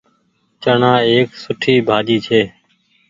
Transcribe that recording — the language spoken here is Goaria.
چڻآ ايڪ سُٺي ڀآڃي ڇي۔